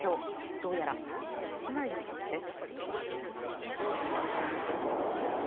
どうやら達成できない見通しです。